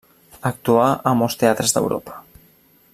Actuà a molts teatres d'Europa.